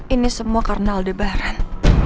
ini semua karena aldebaran